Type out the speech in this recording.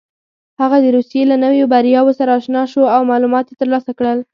هغه د روسيې له نویو بریاوو سره اشنا شو او معلومات یې ترلاسه کړل.